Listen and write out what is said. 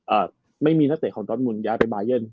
เอ่อไม่มีนักเตะของดอสมุนย้ายไปบายัน